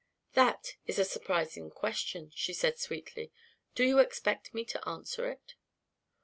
"That is a surprising question," she said sweetly. "Do you expect me to answer it?"